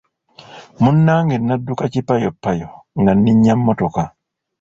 Munnange nadduka kipayoppayo nga nninnya mmotoka.